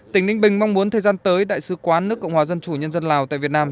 tỉnh ninh bình mong muốn thời gian tới đại sứ quán nước cộng hòa dân chủ nhân dân lào tại việt nam